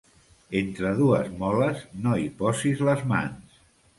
Entre dues moles no hi posis les mans.